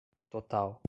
total